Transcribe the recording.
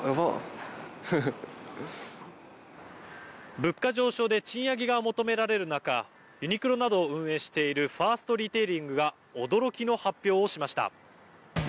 物価上昇で賃上げが求められる中ユニクロなどを運営しているファーストリテイリングが驚きの発表をしました。